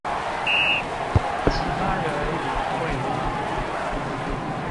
其他人也會嗎？